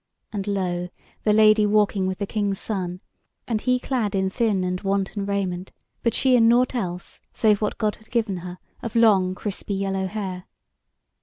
And lo! the Lady walking with the King's Son, and he clad in thin and wanton raiment, but she in nought else save what God had given her of long, crispy yellow hair.